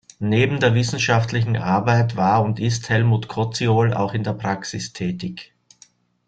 Neben der wissenschaftlichen Arbeit war und ist Helmut Koziol auch in der Praxis tätig.